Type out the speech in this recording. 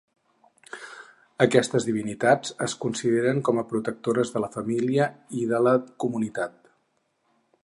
Aquestes divinitats es consideren com protectores de la família i de la comunitat.